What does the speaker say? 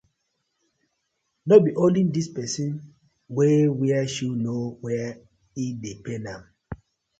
No be only di person wey wear shoe know where e dey pain am.